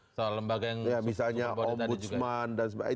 misalnya ombudsman dan sebagainya